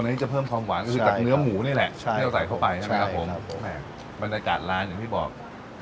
อันนี้จะเพิ่มความหวานก็คือจากเนื้อหมูนี่แหละที่เราใส่เข้าไปใช่ไหมครับผมบรรยากาศร้านอย่างที่บอก